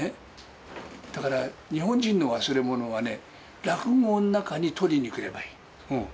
だから日本人の忘れ物はね、落語の中に取りにくればいい。